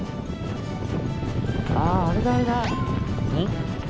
あああれだあれだ！